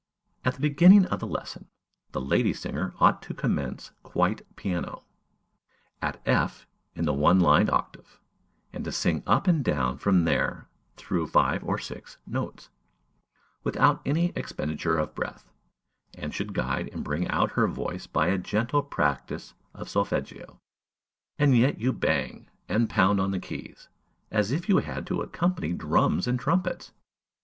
At the beginning of the lesson, the lady singer ought to commence quite piano, at f in the one lined octave, and to sing up and down from there through five or six notes, without any expenditure of breath, and should guide and bring out her voice by a gentle practice of solfeggio; and yet you bang, and pound on the keys, as if you had to accompany drums and trumpets.